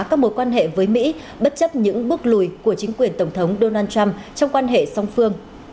các mối quan hệ với mỹ bất chấp những bước lùi của chính quyền tổng thống donald trump trong quan hệ song phương